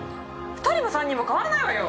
２人も３人も変わらないわよ！